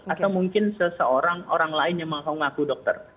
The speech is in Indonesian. atau mungkin seseorang orang lain yang mengaku dokter